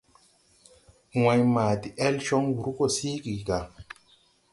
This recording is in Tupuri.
Wãy ma de deele cɔŋ wǔr gɔ síigi gà.